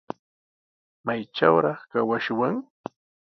¿Maytrawraq kawashwan?